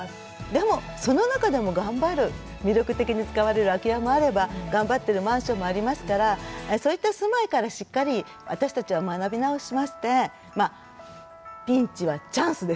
でもその中でも頑張る魅力的に使われる空き家もあれば頑張ってるマンションもありますからそういった住まいからしっかり私たちは学び直しましてまあピンチはチャンスです。